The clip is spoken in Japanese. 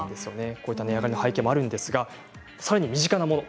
こういった値上がりの背景もあるんですがさらに身近なもの